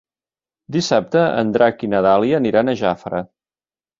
Dissabte en Drac i na Dàlia aniran a Jafre.